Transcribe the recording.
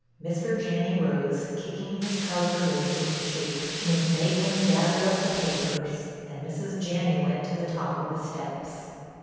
Mr. Janney rose, kicking his trouser legs into shape, Miss Maitland gathered up the papers, and Mrs. Janney went to the top of the steps.